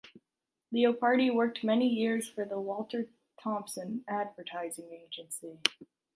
Leopardi worked many years for the Walter Thompson advertising agency.